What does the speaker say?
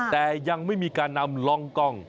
แต่ยังไม่มีการนำร่องกล้อง